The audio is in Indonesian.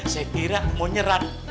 saya kira mau nyerat